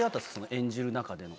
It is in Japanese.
演じる中での。